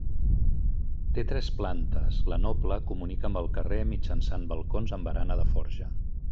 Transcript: Té tres plantes, la noble comunica amb el carrer mitjançant balcons amb barana de forja.